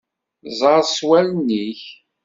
Ẓer s wallen-ik.